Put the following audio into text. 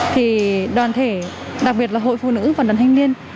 thì đoàn thể đặc biệt là hội phụ nữ và đoàn thanh niên